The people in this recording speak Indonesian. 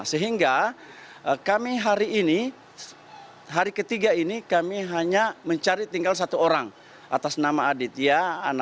sehingga kami hari ini hari ketiga ini kami hanya mencari tinggal satu orang atas nama aditya